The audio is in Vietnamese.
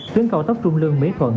tuyến cao tốc trung lương mỹ thuận